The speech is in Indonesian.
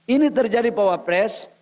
ini terjadi pak wapres